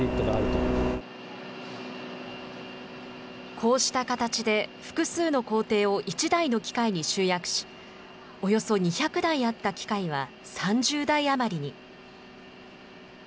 こうした形で、複数の工程を１台の機械に集約し、およそ２００台あった機械は３０台余りに。